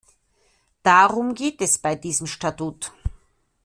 Darum geht es bei diesem Statut!